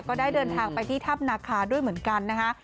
ก็ได้เดินทางไปที่ถ้ำนาคาด้วยเหมือนกันนะคะ